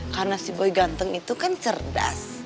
karena si boy ganteng itu kan cerdas